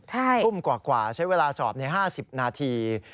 ทุ่มกว่าใช้เวลาสอบ๕๐นาที